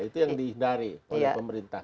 itu yang dihindari oleh pemerintah